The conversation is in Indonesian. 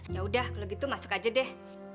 yaudah kalau gitu masuk aja deh